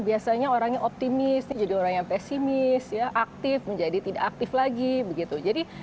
biasanya orangnya optimis jadi orang yang pesimis ya aktif menjadi tidak aktif lagi begitu jadi